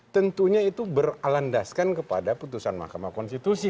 tentunya itu beralandaskan kepada putusan mahkamah konstitusi